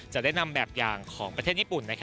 จะได้นำแบบอย่างของประเทศญี่ปุ่น